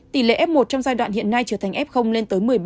tỷ lệ f một trong giai đoạn hiện nay trở thành f lên tới một mươi ba